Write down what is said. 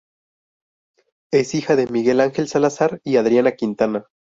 Es hija de Miguel Ángel Salazar y Adriana Quintana.